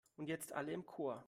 Und jetzt alle im Chor!